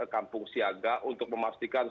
kampung siaga untuk memastikan